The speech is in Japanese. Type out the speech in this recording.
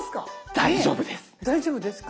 大丈夫ですか？